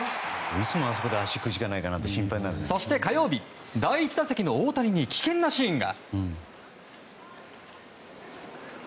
そして火曜日、第１打席の大谷に危険なシーンが。